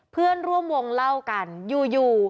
เพื่อนร่วมวงเล่ากันอยู่